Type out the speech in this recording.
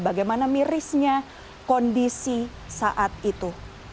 bagaimana mirisnya kondisi saat itu